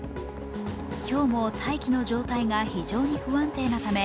今日も大気の状態が非常に不安定なため、